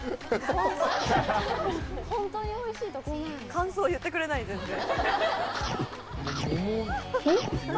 感想言ってくれない全然。